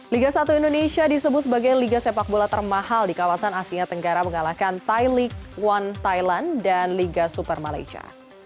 liga satu indonesia disebut sebagai liga sepak bola termahal di kawasan asia tenggara mengalahkan thailand one thailand dan liga super malaysia